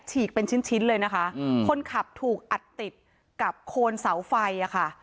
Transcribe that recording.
ฉีกเป็นชิ้นชิ้นเลยนะคะอืมคนขับถูกอัดติดกับโคนเสาไฟอ่ะค่ะ